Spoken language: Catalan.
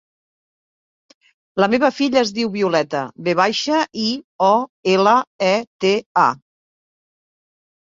La meva filla es diu Violeta: ve baixa, i, o, ela, e, te, a.